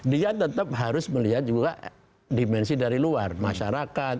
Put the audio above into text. dia tetap harus melihat juga dimensi dari luar masyarakat